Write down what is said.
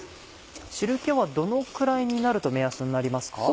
汁気はどのくらいになると目安になりますか？